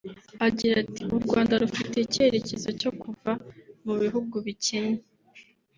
Agira ati “U Rwanda rufite icyerekezo cyo kuva mu bihugu bikennye